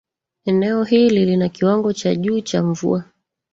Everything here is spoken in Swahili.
eneo hili lina kiwango cha juu cha mvua